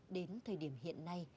đến thời điểm hiện nay